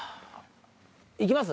行きます？